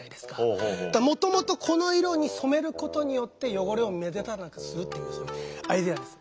もともとこの色に染めることによって汚れを目立たなくするっていうそういうアイデアです。